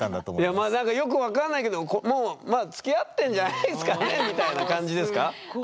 よく分からないけどもうまあつきあってんじゃないすかねみたいな感じですか？